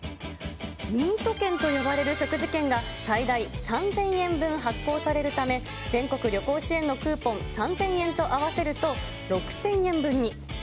ミート券と呼ばれる食事券が、最大３０００円分発行されるため、全国旅行支援のクーポン３０００円と合わせると、６０００円分に。